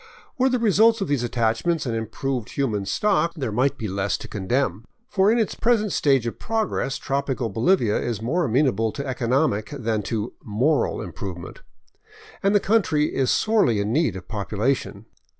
Were the results of these attachments an improved human stock, there might be less to condemn. For in its present stage of progress, tropical Bolivia is more amenable to economic than to " moral " im provement; and the country is sorely in need of population.